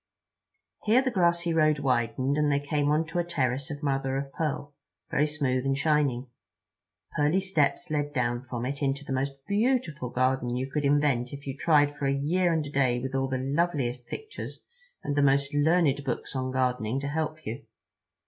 Here the grassy road widened, and they came onto a terrace of mother of pearl, very smooth and shining. Pearly steps led down from it into the most beautiful garden you could invent if you tried for a year and a day with all the loveliest pictures and the most learned books on gardening to help you.